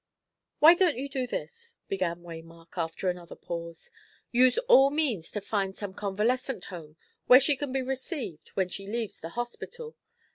"Why don't you do this?" began Waymark, after another pause. "Use all means to find some convalescent home where she can be received when she leaves the hospital.